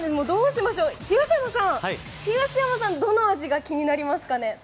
東山さんはどの味が気になりますか？